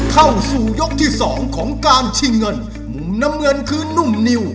เข้าสู่ยกที่สองของการชิงเงิน